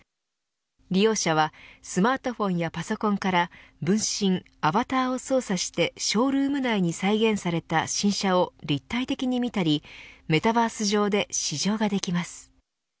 利用者はスマートフォンやパソコンから分身アバターを操作してショールーム内に再現された新車を立体的に見たりメタバース上で試乗ができます。